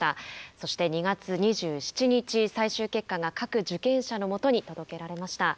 そして２月２７日最終結果が各受験者のもとに届けられました。